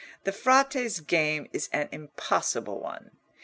The Frate's game is an impossible one.